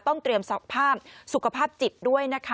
เตรียมภาพสุขภาพจิตด้วยนะคะ